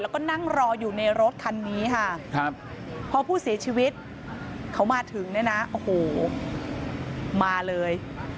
แล้วก็นั่งรออยู่ในรถคันนี้ค่ะพอผู้เสียชีวิตเขามาถึงเนี่ยนะโอ้โหมาเลย